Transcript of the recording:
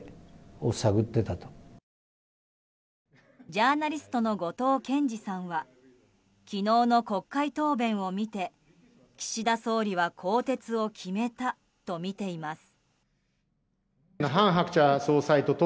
ジャーナリストの後藤謙次さんは昨日の国会答弁を見て岸田総理は更迭を決めたとみています。